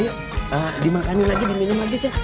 ya udah ayo dimakanin lagi diminum abis ya